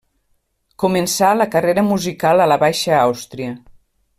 Començà la carrera musical a la Baixa Àustria.